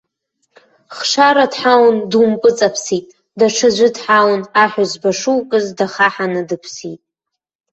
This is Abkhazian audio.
Хшара дҳаун думпыҵаԥ-сит, даҽаӡәы дҳаун, аҳәызба шукыз дахаҳаны дыԥсит.